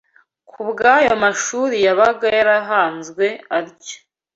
Kubw’ayo mashuri yabaga yarahanzwe atyo